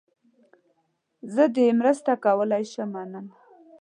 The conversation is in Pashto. زه دې مرسته کولای شم، مننه.